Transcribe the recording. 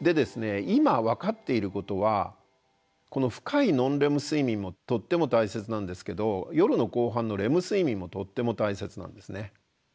でですね今分かっていることはこの深いノンレム睡眠もとっても大切なんですけど夜の後半のレム睡眠もとっても大切なんですね。